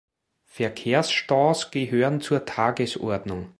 Verkehrsstaus gehören zur Tagesordnung.